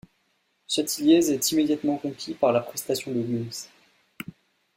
Chatiliez est immédiatement conquis par la prestation de Wilms.